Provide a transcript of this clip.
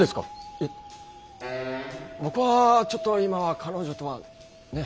いや僕はちょっと今は彼女とはね。